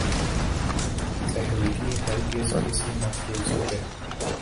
theory ہرگز کسی مفروضے پہ